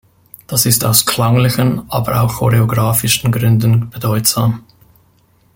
Das ist aus klanglichen aber auch choreographischen Gründen bedeutsam.